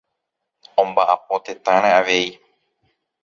Omba'apo tetãre avei.